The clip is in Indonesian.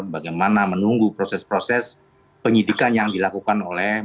bagaimana menunggu proses proses penyidikan yang diperlukan